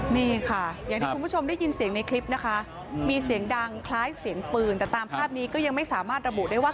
นี่ค่ะอย่างที่คุณผู้ชมได้ยินเสียงในคลิปนะคะมีเสียงดังคล้ายเสียงปืนแต่ตามภาพนี้ก็ยังไม่สามารถระบุได้ว่า